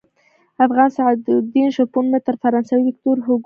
افغان سعدالدین شپون مې تر فرانسوي ویکتور هوګو ياد شو.